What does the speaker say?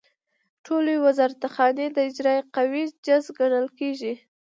ټولې وزارتخانې د اجرائیه قوې جز ګڼل کیږي.